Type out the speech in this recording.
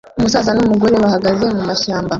Umusaza numugore bahagaze mumashyamba